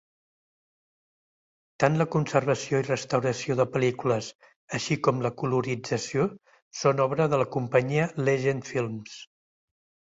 Tant la conservació i restauració de pel·lícules així com la colorització són obra de la companyia Legend Films.